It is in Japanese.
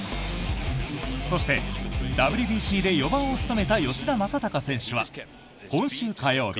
そして、ＷＢＣで４番を務めた吉田正尚選手は今週火曜日。